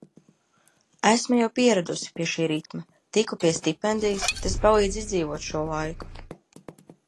Esmu jau pieradusi pie šī ritma. Tiku pie stipendijas, tas palīdz izdzīvot šo laiku.